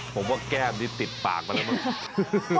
ผมว่าแก้มนี่ติดปากมาแล้วมั้ง